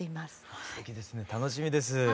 すてきですね楽しみです。